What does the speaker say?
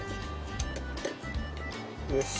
よし。